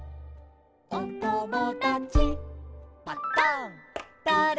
「おともだちパタンだれ？